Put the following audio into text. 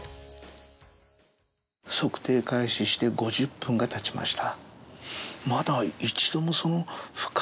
測定開始して５０分がたちました。